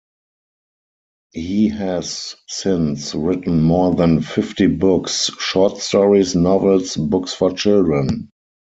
He has since written more than fifty books, short stories, novels, books for children.